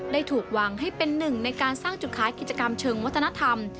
ถูกวางให้เป็นหนึ่งในการสร้างจุดขายกิจกรรมเชิงวัฒนธรรม